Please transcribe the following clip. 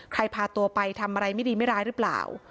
พาตัวไปทำอะไรไม่ดีไม่ร้ายหรือเปล่า